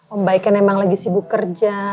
om baik kan emang lagi sibuk kerja